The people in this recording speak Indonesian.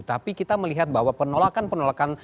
tapi kita melihat bahwa penolakan penolakan